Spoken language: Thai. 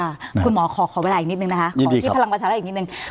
อ่าคุณหมอขอขอเวลาอีกนิดหนึ่งนะฮะยินดีครับขอที่พลังประชาระอีกนิดหนึ่งครับ